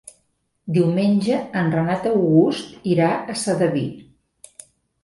Diumenge en Renat August irà a Sedaví.